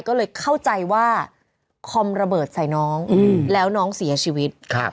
ก็เลยเข้าใจว่าคอมระเบิดใส่น้องแล้วน้องเสียชีวิต